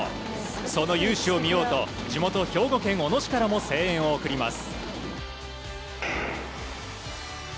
その雄姿を見ようと地元・兵庫県小野市からも声援を送ります。